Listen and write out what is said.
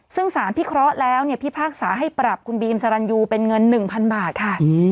ซึ่งสารพิเคราะห์แล้วพิพากษาให้ปรับคุณบีมสรรยูเป็นเงิน๑๐๐๐บาทค่ะ